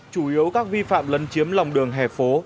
chủ yếu các vi phạm lấn chiếm lòng đường hè phố